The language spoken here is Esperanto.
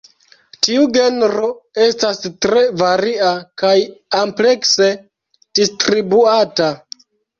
Tiu genro estas tre varia kaj amplekse distribuata.